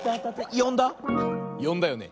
よんだよね？